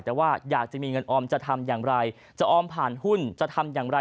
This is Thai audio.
แต่ว่าอยากจะมีเงินออมจะทำอย่างไรจะออมผ่านหุ้นจะทำอย่างไร